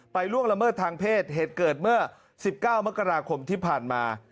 ล่วงละเมิดทางเพศเหตุเกิดเมื่อ๑๙มกราคมที่ผ่านมา